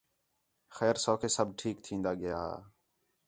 خیر سَوکھے سب ٹھیک تِھین٘دا ڳِیا ہا